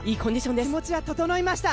気持ちは整いました。